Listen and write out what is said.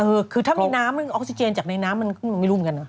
เออคือถ้ามีน้ำออกซิเจนจากในน้ำมันไม่รุมกัน